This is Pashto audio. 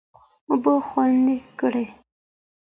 اوبه خوندي کړه.